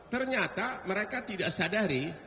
ternyata mereka tidak sadari